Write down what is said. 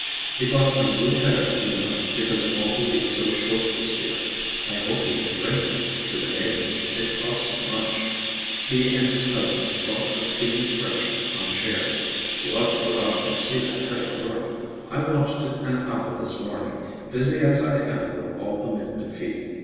He bought a new header, you know, because all the wheat's so short this year. I hope he can rent it to the neighbors, it cost so much. He and his cousins bought a steam thresher on shares. You ought to go out and see that header work. I watched it an hour this morning, busy as I am with all the men to feed.